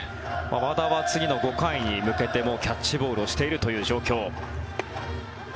和田は次の５回に向けてキャッチボールをしているという状況。